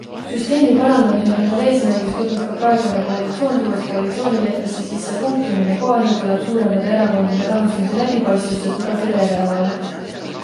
Süsteemi parandamise on endale eesmärgiks võtnud ka praegune koalitsioon, tuues koalitsioonileppesse sisse punkti, mille kohaselt tuleb suurendada erakondade rahastamise läbipaistvust ja tugevdada järelevalvet.